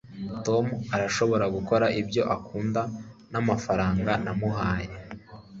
tom arashobora gukora ibyo akunda namafaranga namuhaye